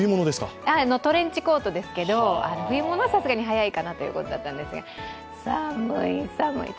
トレンチコートですけど冬物はさすがに早いかなということですが、寒い寒い。